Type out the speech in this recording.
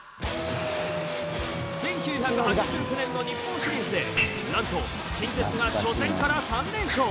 １９８９年の日本シリーズでなんと近鉄が初戦から３連勝。